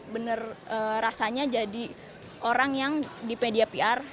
benar rasanya jadi orang yang di media npr